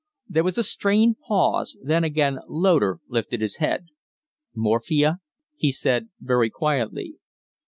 There was a strained pause, then again Loder lifted his head. "Morphia?" he said, very quietly.